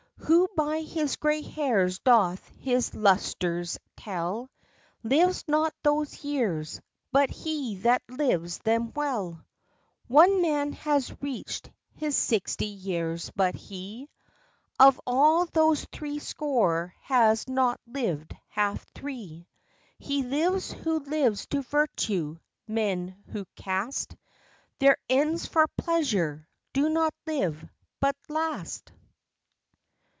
Who by his gray hairs doth his lustres tell, Lives not those years, but he that lives them well: One man has reach'd his sixty years, but he Of all those three score has not lived half three: He lives who lives to virtue; men who cast Their ends for pleasure, do not live, but last.